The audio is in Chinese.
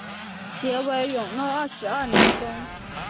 其为永乐二十二年封。